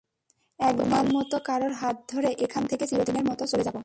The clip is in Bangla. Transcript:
একদিন, তোমার মত কারো হাত ধরে এখান থেকে চিরদিনের মত চলে যাব।